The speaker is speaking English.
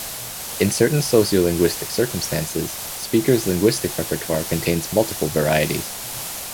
In certain sociolinguistic circumstances, speakers' linguistic repertoire contains multiple varieties.